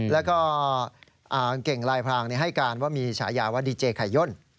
แล้วก็เก่งลายพรางให้การว่ามีฉายาว่าดีเจไข่ย่น